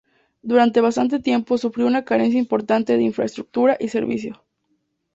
Durante bastante tiempo sufrió una carencia importante de infraestructuras y servicios.